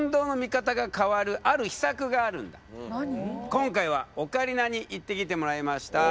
今回はオカリナに行ってきてもらいました。